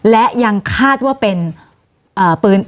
และยังคาดว่าเป็นปืน